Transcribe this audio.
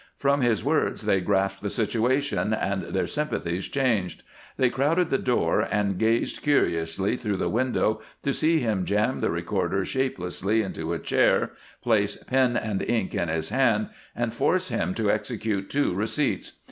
From his words they grasped the situation, and their sympathies changed. They crowded the door and gazed curiously through the window to see him jam the recorder shapelessly into a chair, place pen and ink in his hand, and force him to execute two receipts.